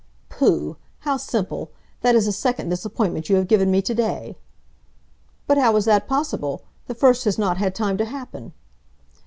"Pooh! How simple! That is the second disappointment you have given me to day." "But how is that possible? The first has not had time to happen."